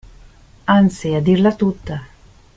Anzi, a dirla tutta.